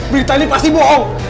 berita ini pasti bohong